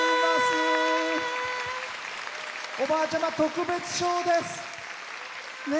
おばあちゃま特別賞です。